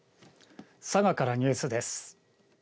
佐賀からニュースです。